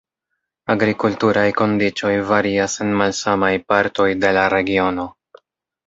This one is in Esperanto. Agrikulturaj kondiĉoj varias en malsamaj partoj de la regiono.